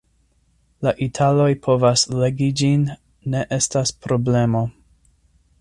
La italoj povas legi ĝin; ne estas problemo.